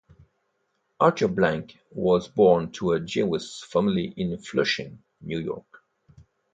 Arthur Blank was born to a Jewish family in Flushing, New York.